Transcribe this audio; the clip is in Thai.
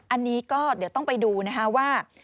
อันนี้ก็เดี๋ยวต้องไปดูนะคะว่า